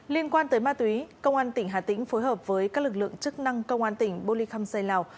liên quan tới ma túy công an tỉnh hà tĩnh phối hợp với các lực lượng chức năng công an tỉnh bô ly khăm xây lào